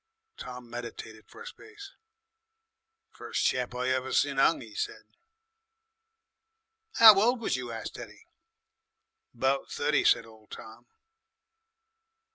Tom meditated for a space. "First chap I ever sin 'ung!" he said. "Ow old was you?" asked Teddy. "'Bout thirty," said old Tom.